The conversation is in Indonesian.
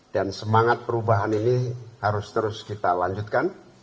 dan semangat perubahan ini harus terus kita lanjutkan